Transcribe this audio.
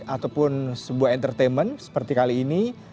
ataupun sebuah entertainment seperti kali ini